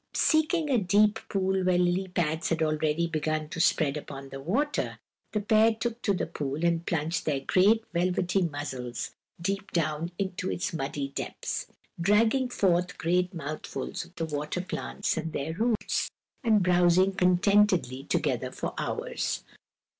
Seeking a deep pool where lily pads had already begun to spread upon the water, the pair took to the pool and plunged their great, velvety muzzles deep down into its muddy depths, dragging forth great mouthfuls of the water plants and their roots, and browsing contentedly together for hours.